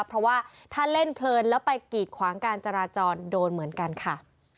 เพราะว่าถ้าเล่นเพลินแล้วไปกีดขวางการจราจรโดนเหมือนกันค่ะ